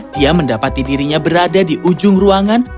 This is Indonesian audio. dia mendapati dirinya berada di ujung ruangan